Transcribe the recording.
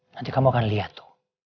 nanti kamu akan lihat tuh